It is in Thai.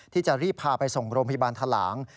ที่จะรีบพาไปส่งโรงพยาบาลทะหลาง